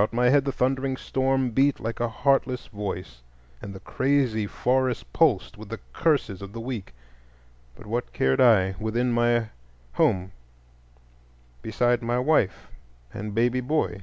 About my head the thundering storm beat like a heartless voice, and the crazy forest pulsed with the curses of the weak; but what cared I, within my home beside my wife and baby boy?